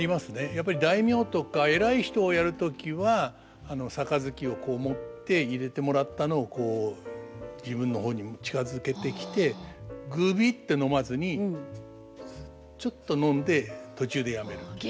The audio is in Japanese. やっぱり大名とか偉い人をやる時は杯をこう持って入れてもらったのをこう自分の方に近づけてきてぐびって飲まずにちょっと飲んで途中でやめるっていう。